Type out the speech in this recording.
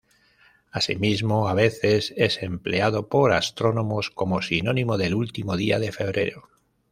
Asimismo, a veces, es empleado por astrónomos como sinónimo del último día de febrero.